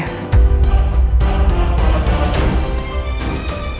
masuk ke rumah roy